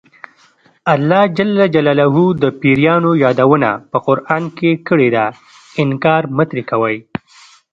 الله ج د پیریانو یادونه په قران کې کړې ده انکار مه ترې کوئ.